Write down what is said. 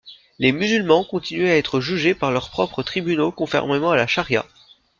Les musulmans continuaient à être jugé par leurs propres tribunaux conformément à la charia.